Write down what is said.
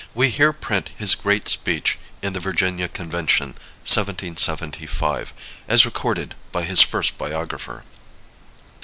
We here print his great speech in the Virginia Conventon, 1775, as recorded by his first biographer.